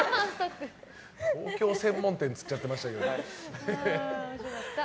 東京専門店って言っちゃってましたけど。